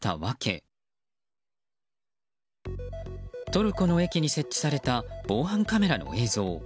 トルコの駅に設置された防犯カメラの映像。